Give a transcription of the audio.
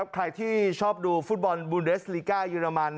ใครที่ชอบดูฟุตบอลบูเดสลิก้าเยอรมัน